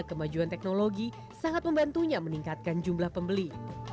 kemajuan teknologi sangat membantunya meningkatkan jumlah pembeli